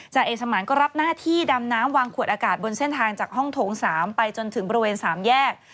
เอกสมานก็รับหน้าที่ดำน้ำวางขวดอากาศบนเส้นทางจากห้องโถง๓ไปจนถึงบริเวณ๓แยก